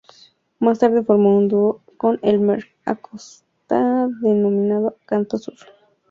Más tarde forma un dúo con Elmer Acosta denominado Canto Sur.